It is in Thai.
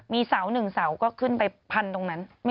มีเสาหนึ่งเสาก็ขึ้นไปพันตรงนั้น